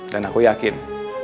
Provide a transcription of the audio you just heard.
dan aku yakin